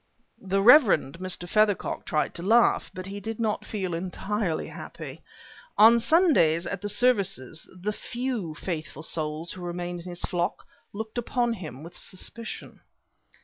The Rev. Mr. Feathercock tried to laugh, but he did not feel entirely happy. On Sundays, at the services, the few faithful souls who remained in his flock looked upon him with suspicion.